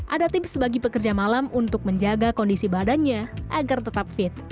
ada tips bagi pekerja malam untuk menjaga kondisi badannya agar tetap fit